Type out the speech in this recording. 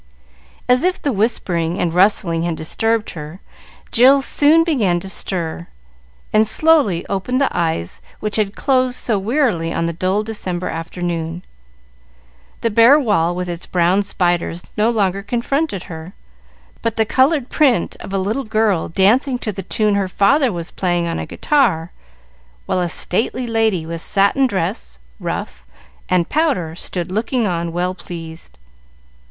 As if the whispering and rustling had disturbed her, Jill soon began to stir, and slowly opened the eyes which had closed so wearily on the dull December afternoon. The bare wall with its brown spiders no longer confronted her, but the colored print of a little girl dancing to the tune her father was playing on a guitar, while a stately lady, with satin dress, ruff, and powder, stood looking on, well pleased.